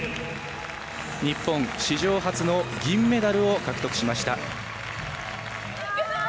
日本、史上初の銀メダルを獲得しました。